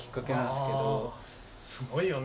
すごいよね。